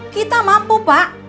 kita mampu pak